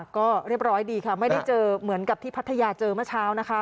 ก็เรียบร้อยดีค่ะไม่ได้เจอเหมือนกับที่พัทยาเจอเมื่อเช้านะคะ